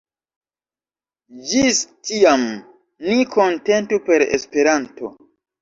Ĝis tiam, ni kontentu per Esperanto!